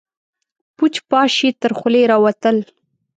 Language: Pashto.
پوچ، پاش يې تر خولې راوتل.